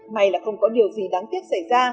may là không có điều gì đáng tiếc xảy ra